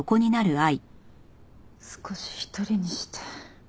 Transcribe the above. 少し一人にして。